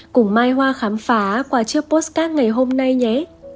cùng mai hoa khám phá qua chiếc postcard ngày hôm nay nhé